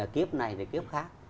kiếp này là kiếp khác